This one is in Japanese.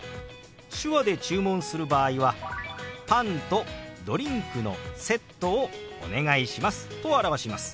手話で注文する場合は「パンとドリンクのセットをお願いします」と表します。